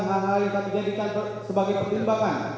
hal hal yang kami jadikan sebagai pertimbangan